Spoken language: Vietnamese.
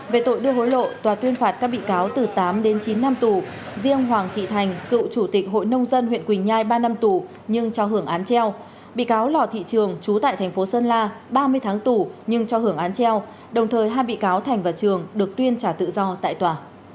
về tội đưa hối lộ tòa tuyên phạt các bị cáo từ tám đến chín năm tù riêng hoàng thị thành cựu chủ tịch hội nông dân huyện quỳnh nhai ba năm tù nhưng cho hưởng án treo bị cáo lò thị trường trú tại thành phố sơn la ba mươi tháng tù nhưng cho hưởng án treo đồng thời hai bị cáo thành và trường được tuyên trả tự do tại tòa